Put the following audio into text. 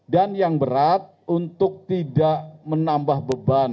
dan yang berat untuk tidak menambah beban